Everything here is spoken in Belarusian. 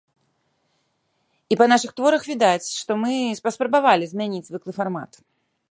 І па нашых творах відаць, што мы паспрабавалі змяніць звыклы фармат.